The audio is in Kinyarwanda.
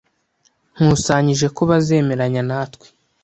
Nkusanyije ko bazemeranya natwe